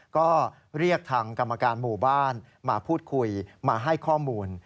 ก็เรียกทางกรรมการหมู่บ้านมาพูดคุยมาให้ข้อมูล